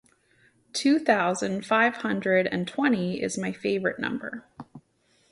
Two thousand five hundred and twenty is my favorite number.